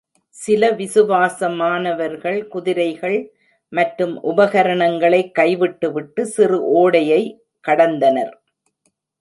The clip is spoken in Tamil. சில விசுவாசமானவர்கள் குதிரைகள் மற்றும் உபகரணங்களை கைவிட்டுவிட்டு சிறு ஓடையை கடந்தனர்.